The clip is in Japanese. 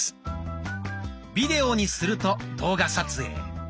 「ビデオ」にすると動画撮影。